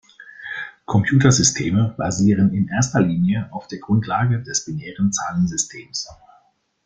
Computersysteme basieren in erster Linie auf der Grundlage des binären Zahlensystems.